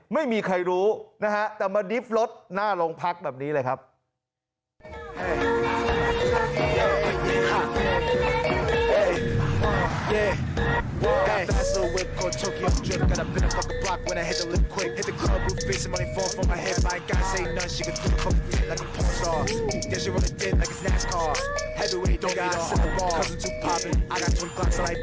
ไม่มีใครรู้นะฮะแต่มาดิฟต์รถหน้าโรงพักแบบนี้เลยครับ